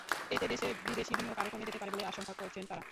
এতে দেশে বিদেশি বিনিয়োগ আরও কমে যেতে পারে বলে আশঙ্কা করছেন তাঁরা।